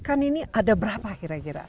kan ini ada berapa kira kira